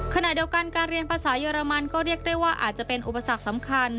ขณะเดียวกันการเรียนภาษาเยอรมันก็เรียกได้ว่าอาจจะเป็นอุปสรรคสำคัญ